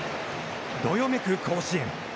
どよめく甲子園。